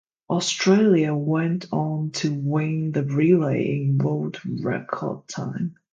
Australia went on to win the relay in world record time.